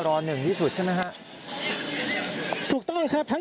คุณภูริพัฒน์บุญนิน